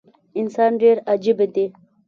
انسان ډیر عجیبه دي